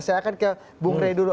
saya akan ke bung rey dulu